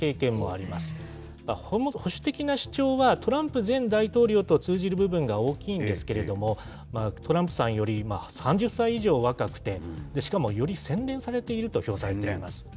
もともと保守的な主張はトランプ前大統領と通じる部分が大きいんですけれども、トランプさんより３０歳以上若くて、しかもより洗練されていると評されています。